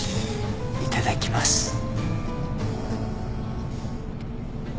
いただきます。